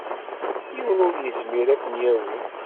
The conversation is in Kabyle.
Yiwen ur yezmir ad ken-yawi.